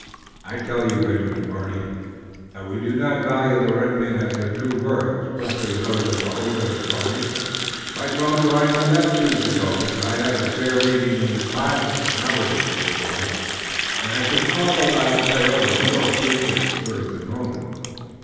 I tell you, Benjamin Hardy, that we do not value the red men at their true worth, especially those of the Hodenosaunee!" "Right well do I know that, too, Jacobus. I had a fair reading in the classics, when I was a schoolboy, and I should call the lad, Tayoga, more Greek in spirit than Roman.